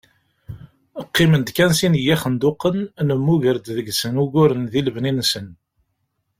Qqimen-d kan sin n yixenduqen, nemmuger-d deg-sen uguren di lebni-nsen.